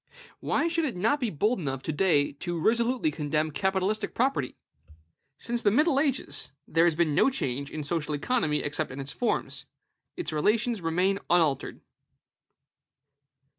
Why should it not be bold enough to day to resolutely condemn capitalistic property? Since the middle ages, there has been no change in social economy except in its forms; its relations remain unaltered.